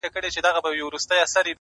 اخلاص د انسان اصلي ځواک دی!